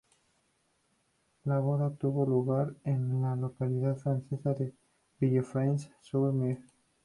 La boda tuvo lugar en la localidad francesa de Villefranche-sur-Mer.